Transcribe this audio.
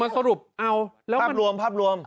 สรุปรับรวมภาพรวม